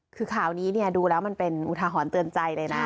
คือข่าวนี้ดูแล้วมันเป็นอุทาหรณ์เตือนใจเลยนะ